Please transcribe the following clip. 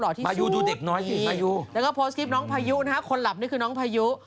หล่อที่สูตรดีแล้วก็โพสต์คลิปน้องภายุนะฮะคนหลับนี่คือน้องภายุ